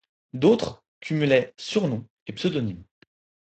D'autres cumulaient surnom et pseudonyme.